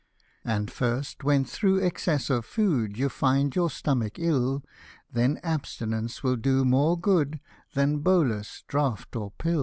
And first, when, through excess of food, You find your stomach ill, Then abstinence will do more good Than bolus, draught, or pill.